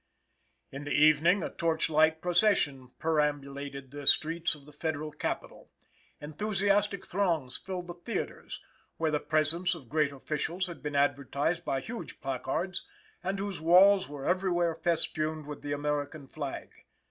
In the evening, a torch light procession perambulated the streets of the Federal Capital. Enthusiastic throngs filled the theatres, where the presence of great officials had been advertised by huge placards, and whose walls were everywhere festooned with the American flag.